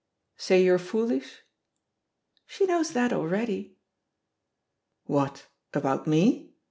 "Say you're foolish?" "She knows that already." "What — about me?